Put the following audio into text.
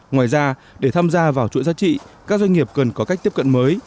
ngoài ra để tham gia vào chuỗi giá trị các doanh nghiệp cần có cách tiếp cận mới